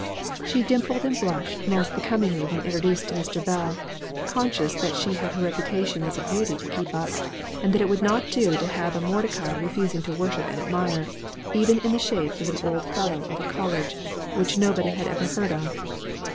She dimpled and blushed most becomingly when introduced to Mr. Bell, conscious that she had her reputation as a beauty to keep up, and that it would not do to have a Mordecai refusing to worship and admire, even in the shape of an old Fellow of a College, which nobody had ever heard of.